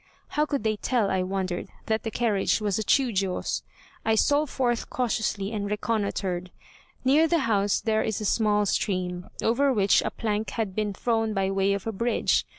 How could they tell, I wondered, that the carriage was a Chiûjiô's. I stole forth cautiously and reconnoitred. Near the house there is a small stream, over which a plank had been thrown by way of a bridge.